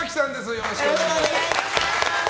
よろしくお願いします。